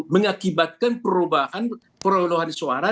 mengakibatkan perubahan perolehan suara